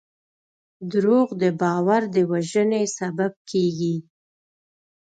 دروغ د باور د وژنې سبب کېږي.